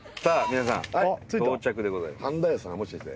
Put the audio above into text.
皆さん到着でございます